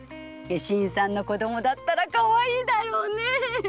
新さんの子供だったらかわいいだろうね！